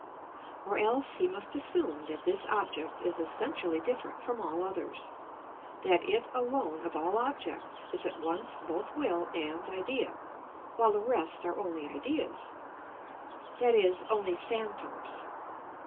Or else he must assume that this object is essentially different from all others; that it alone of all objects is at once both will and idea, while the rest are only ideas, i.e., only phantoms.